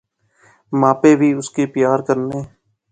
ما پے وی اُس کی پیار کرنے